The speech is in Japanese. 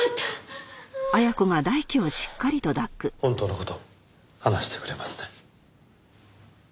本当の事話してくれますね？